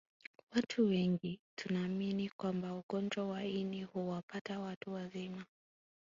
Watu wengi tunaamini kwamba ugonjwa wa ini huwapata watu wazima